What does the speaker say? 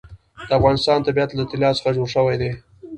د افغانستان طبیعت له طلا څخه جوړ شوی دی.